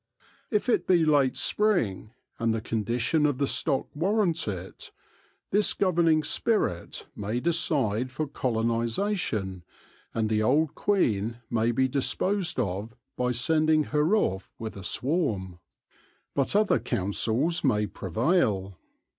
If it be late spring, and the condition of the stock warrant it, this governing spirit may decide for colonisation, and the old queen may be disposed of by sending her off with a swarm. But other counsels may prevail.